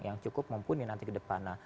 yang cukup mumpuni nanti ke depan